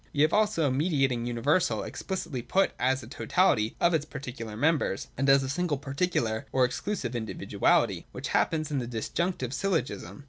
(3) We have also the mediating Universal explicitly put as a totality of its particular members, and as a single particular, or exclusive individuality :— which happens in the Disjunctive syllogism.